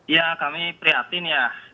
ya kami priatin ya